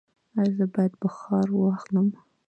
ایا زه باید بخار واخلم؟